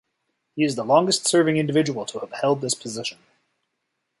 He is the longest serving individual to have held this position.